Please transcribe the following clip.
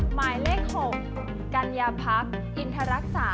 หมายเลขหกกันยาพักอินทรรักษาฝนค่ะ